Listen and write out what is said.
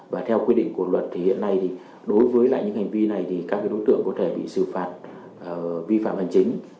và theo quy định của luật thì hiện nay thì đối với lại những hành vi này thì các đối tượng có thể bị xử phạt vi phạm hành chính